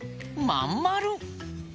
まんまる！